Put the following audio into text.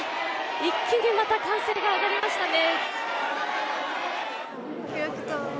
一気にまた歓声が上がりましたね。